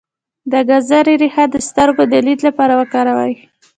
د ګازرې ریښه د سترګو د لید لپاره وکاروئ